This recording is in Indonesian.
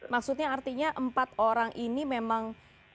maksudnya artinya empat orang ini memang